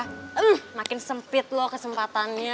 hmm makin sempit loh kesempatannya